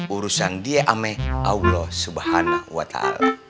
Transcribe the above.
urusan dia ame allah subhanahu wa ta'ala